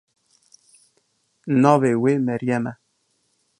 Navê wê Meryem e.